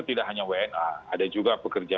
tidak hanya wna ada juga pekerja